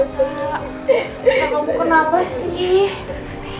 sa kamu kenapa sih